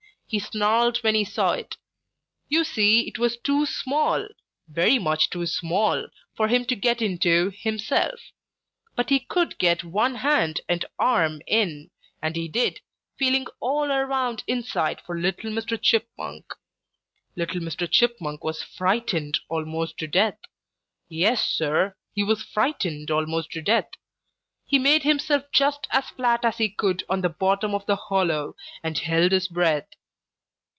He snarled when he saw it. You see it was too small, very much too small, for him to get into himself. But he could get one hand and arm in, and he did, feeling all around inside for little Mr. Chipmunk. Little Mr. Chipmunk was frightened almost to death. Yes, Sir, he was frightened almost to death. He made himself just as flat as he could on the bottom of the hollow and held his breath.